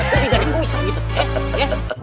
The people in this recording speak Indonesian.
lebih dari yang gue bisa gitu